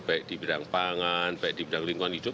baik di bidang pangan baik di bidang lingkungan hidup